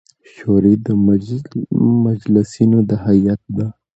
شوري د مجلسـینو د هیئـت د